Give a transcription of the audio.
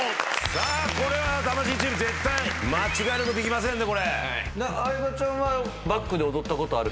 さあこれは魂チーム絶対間違えることできませんね。